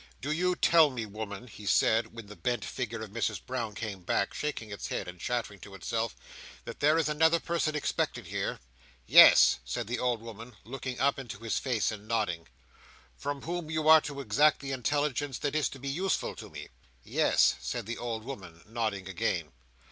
"Do you tell me, woman," he said, when the bent figure of Mrs Brown came back, shaking its head and chattering to itself, "that there is another person expected here?" "Yes!" said the old woman, looking up into his face, and nodding. "From whom you are to exact the intelligence that is to be useful to me?" "Yes," said the old woman, nodding again.